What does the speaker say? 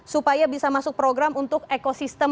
supaya bisa masuk program untuk ekosistem